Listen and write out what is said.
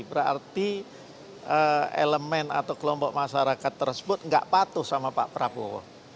berarti elemen atau kelompok masyarakat tersebut nggak patuh sama pak prabowo